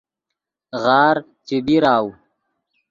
غار چے بیراؤ